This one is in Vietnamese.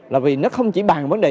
là vì nó không chỉ bàn vấn đề